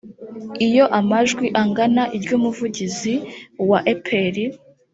iyo amajwi angana iry umuvugizi wa epr